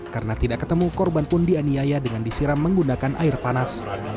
karena tidak ketemu korban pun dianiaya dengan disiram menggunakan air panas